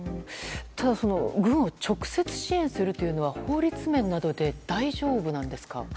ただ、軍を直接支援するというのは法律面などで大丈夫なんですか。